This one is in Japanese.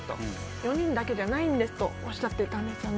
４人だけじゃないんですとおっしゃっていたんですよね。